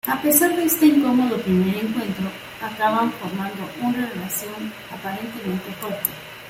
A pesar de este incómodo primer encuentro, acaban formando una relación aparentemente fuerte.